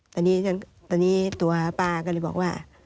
ตอนนี้ตัวป้าก็เลยบอกว่า